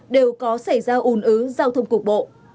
đều có xảy ra ủn ứ giao thông cục bộ